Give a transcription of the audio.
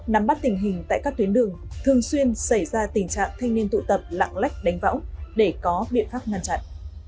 nắm bắt tình hình tại các tuyến đường thường xuyên xảy ra tình trạng thanh niên tụ tập lạng lách đánh võng để có biện pháp ngăn chặn